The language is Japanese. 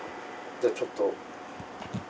じゃあちょっと。